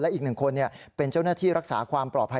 อีกหนึ่งคนเป็นเจ้าหน้าที่รักษาความปลอดภัย